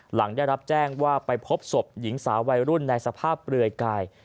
หลังได้รับแจ้งว่าไปพบศพหญิงสาววัยรุ่นในสภาพเปลือยกาย